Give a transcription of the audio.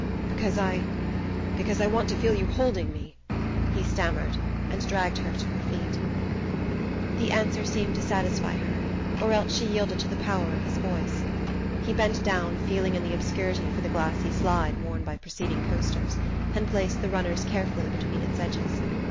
"Because I because I want to feel you holding me," he stammered, and dragged her to her feet. The answer seemed to satisfy her, or else she yielded to the power of his voice. He bent down, feeling in the obscurity for the glassy slide worn by preceding coasters, and placed the runners carefully between its edges.